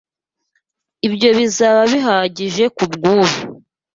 Ibyo bizaba bihagije kubwubu.